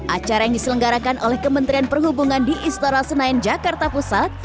acara yang diselenggarakan oleh kementerian perhubungan di istora senayan jakarta pusat